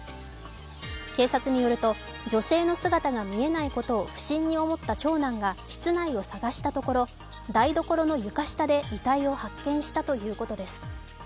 警察によると、女性の姿が見えないことを不審に思った長男が室内を探したところ、台所の床下で遺体を発見したということです。